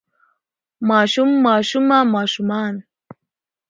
ماشوم ماشومه ماشومان